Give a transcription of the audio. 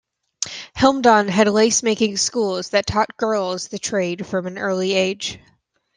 Helmdon had lace-making schools that taught girls the trade from an early age.